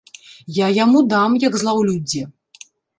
Я яму дам, як злаўлю дзе.